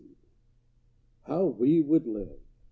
_ How we would live!